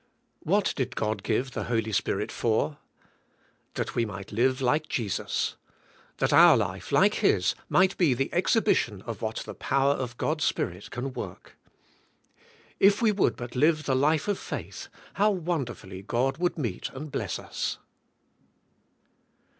What did God giye the Holy Spirit for? That we might liye like Jesus. That our life, like His, might be the exhibition of what the power of God's Spirit can work. If we would but liye the life of faith how wonderfully God would meet and bless us.